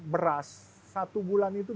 beras satu bulan itu